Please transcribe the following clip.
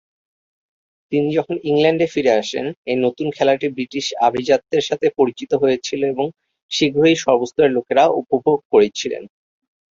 তিনি যখন ইংল্যান্ডে ফিরে আসেন, এই "নতুন" খেলাটি ব্রিটিশ আভিজাত্যের সাথে পরিচিত হয়েছিল এবং শীঘ্রই সর্বস্তরের লোকেরা উপভোগ করেছিলেন।